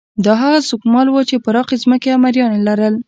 دا هغه ځمکوال وو چې پراخې ځمکې او مریان یې لرل.